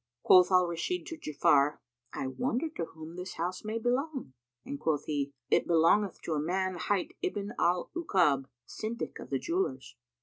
Quoth Al Rashid to Ja'afar, "I wonder to whom this house may belong," and quoth he, "It belongeth to a man hight Ibn al Ukab, Syndic of the jewellers."